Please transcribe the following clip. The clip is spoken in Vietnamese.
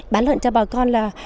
bán lợn cho bà con là